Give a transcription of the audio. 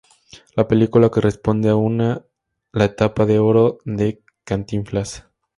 La película corresponde aún a la etapa de oro de Cantinflas.